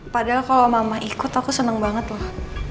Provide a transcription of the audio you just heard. padahal kalau mama ikut aku seneng banget loh